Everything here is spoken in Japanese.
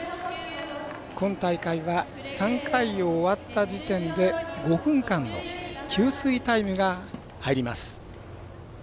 今大会は３回を終わった時点で５分間の給水タイムが入ります。